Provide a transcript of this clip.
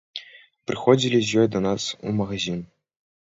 Прыходзілі з ёй да нас у магазін.